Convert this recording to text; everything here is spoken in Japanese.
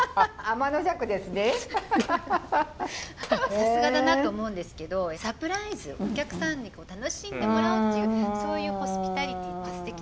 さすがだなと思うんですけどサプライズお客さんに楽しんでもらおうというそういうホスピタリティーってすてきだなと思います。